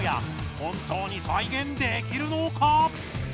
本当に再現できるのか？